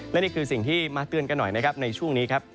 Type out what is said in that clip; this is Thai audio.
และนี่คือสิ่งที่มาเตือนกันหน่อยนะครับในช่วงนี้ครับ